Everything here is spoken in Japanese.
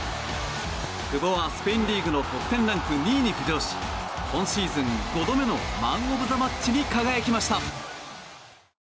久保はスペインリーグの得点ランク２位に浮上し今シーズン５度目のマン・オブ・ザ・マッチに輝きました。